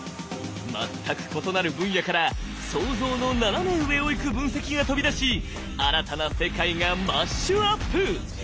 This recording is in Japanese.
全く異なる分野から想像の斜め上をいく分析が飛び出し新たな世界がマッシュアップ！